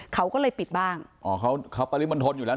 เขาก็เลยปิดบ้างอ๋อเขาเขาปริมณฑลอยู่แล้ว